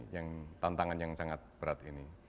yang tantangan yang sangat berat ini